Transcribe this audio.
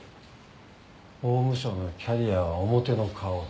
法務省のキャリアは表の顔。